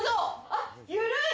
あっ緩い！